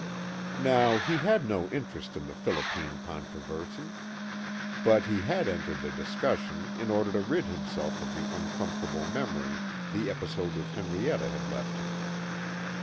Now he had no interest in the Philippine controversy. But he had entered the discussion in order to rid himself of the uncomfortable memory the episode with Henrietta had left him.